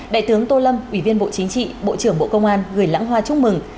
đại tướng tô lâm ủy viên bộ chính trị bộ trưởng bộ công an gửi lãng hoa chúc mừng